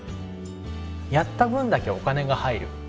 やった分だけお金が入る。